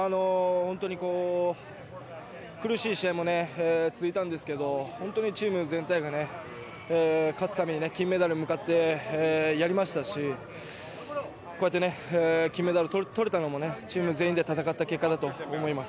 苦しい試合も続いたんですけど、本当にチーム全体が勝つために金メダルに向かってやりましたし、金メダルを取れたのもチーム全員で戦った結果だと思います。